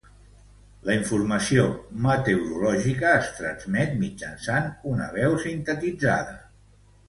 La informació meteorològica es transmet mitjançant una veu sintetitzada.